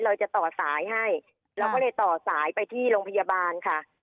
เราจะต่อสายให้เราก็เลยต่อสายไปที่โรงพยาบาลค่ะ